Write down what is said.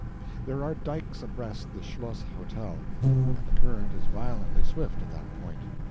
There are dikes abreast the Schloss Hotel, and the current is violently swift at that point.